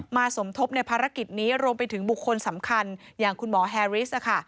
สมทบในภารกิจนี้รวมไปถึงบุคคลสำคัญอย่างคุณหมอแฮริสค่ะ